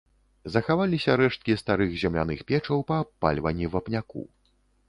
Захаваліся рэшткі старых земляных печаў па абпальванні вапняку.